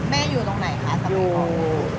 แม่อยู่ตรงไหนค่ะสมัยของ